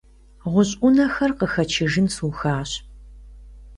ГъущӀ Ӏунэхэр къыхэчыжын сухащ.